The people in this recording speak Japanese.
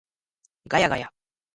ガヤガヤ